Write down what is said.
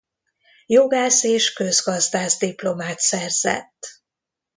Jogász és közgazdász diplomát szerzett.